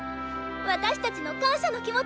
私たちの感謝のキモチ。